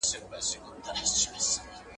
زه دي پر ايمان شک لرم، ته مريدان راته نيسې.